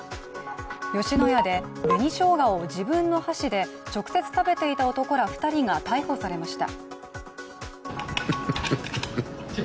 吉野家で紅しょうがを自分の箸で直接食べていた男ら２人が逮捕されました。